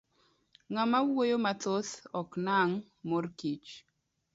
Ng'ama wuoyo mathoth ok nang' mor kich.